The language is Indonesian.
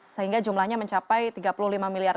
sehingga jumlahnya mencapai tiga puluh lima miliar